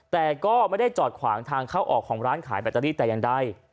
แต่ก็ไม่ได้จอดขวางทางเข้าออกของร้านขายแบตเตอรี่แต่อย่างใด